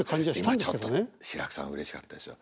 今ちょっと志らくさんうれしかったですよ。